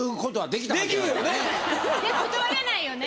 でも断れないよね？